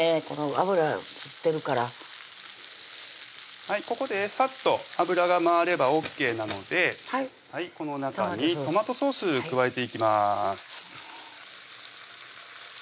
この油いってるからここでさっと油が回ればＯＫなのでこの中にトマトソース加えていきます